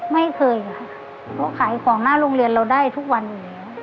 ไม่เคยค่ะเพราะขายของหน้าโรงเรียนเราได้ทุกวันอยู่แล้ว